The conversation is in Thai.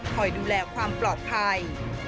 คอยดูแลความปลอดภัย